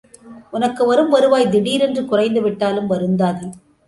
உனக்கு வரும் வருவாய் திடீரென்று குறைந்து விட்டாலும் வருந்தாதே.